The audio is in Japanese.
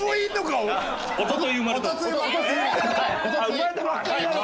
生まれたばっかりなの？